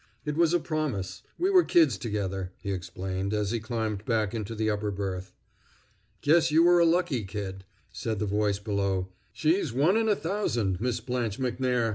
It was a promise. We were kids together," he explained, as he climbed back into the upper berth. "Guess you were a lucky kid," said the voice below. "She's one in a thousand, Miss Blanche Macnair!"